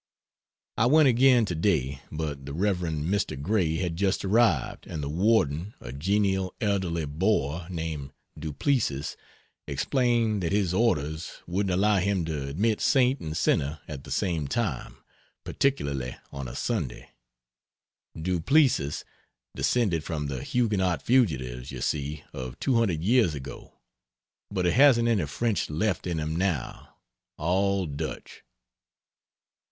I went again to day, but the Rev. Mr. Gray had just arrived, and the warden, a genial, elderly Boer named Du Plessis explained that his orders wouldn't allow him to admit saint and sinner at the same time, particularly on a Sunday. Du Plessis descended from the Huguenot fugitives, you see, of 200 years ago but he hasn't any French left in him now all Dutch.